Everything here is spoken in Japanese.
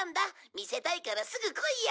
「見せたいからすぐ来いよ！」